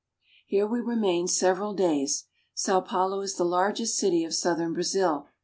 Here we remain several days. Sao Paulo is the larg est city of southern Brazil.